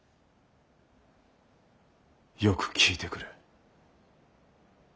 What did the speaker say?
よく聞いてくれ。